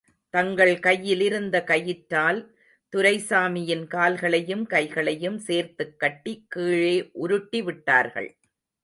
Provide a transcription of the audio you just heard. தங்கள் கையிலிருந்த கயிற்றால், துரைசாமியின் கால்களையும் கைகளையும் சேர்த்துக் கட்டி, கீழே உருட்டி விட்டார்கள்.